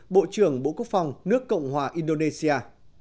bộ trưởng bộ quốc phòng nước cộng hòa indonesia